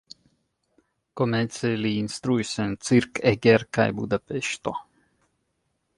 Komence li instruis en Zirc, Eger kaj Budapeŝto.